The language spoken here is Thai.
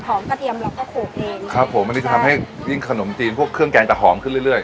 กระเทียมเราก็โคกเองครับผมอันนี้จะทำให้ยิ่งขนมจีนพวกเครื่องแกงจะหอมขึ้นเรื่อย